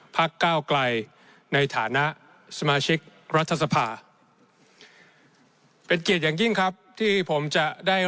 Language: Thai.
ก้าวไกลในฐานะสมาชิกรัฐสภาเป็นเกียรติอย่างยิ่งครับที่ผมจะได้